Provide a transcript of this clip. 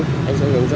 anh sẽ hướng dẫn em